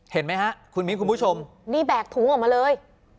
เห็นไหมฮะคุณมิ้นคุณผู้ชมนี่แบกถุงออกมาเลย